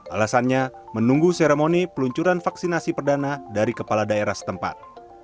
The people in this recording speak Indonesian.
alasannya menunggu seremoni peluncuran vaksinasi perdana dari kepala daerah setempat